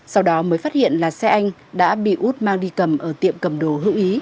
sau đó mới phát hiện là xe anh đã bị út mang đi cầm ở tiệm cầm đồ hữu ý